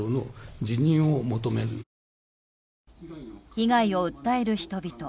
被害を訴える人々。